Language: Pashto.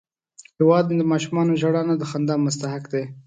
هیواد مې د ماشومانو ژړا نه، د خندا مستحق دی